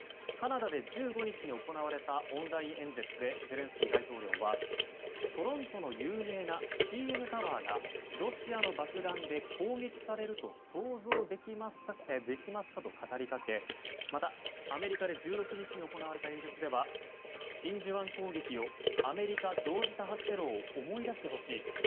カナダで１５日に行われたオンライン演説でゼレンスキー大統領はトロントの有名なＣＮタワーがロシアの爆弾で攻撃されると想像できますか？と語りかけ、またアメリカで１６日に行われた演説では真珠湾攻撃をアメリカ同時多発テロを思い出してほしい。